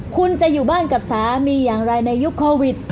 คุณจะอยู่บ้านกับสามีอย่างไรในยุคโควิด